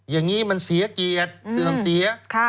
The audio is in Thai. อย่างนี้มันเสียเกียรติเสื่อมเสีย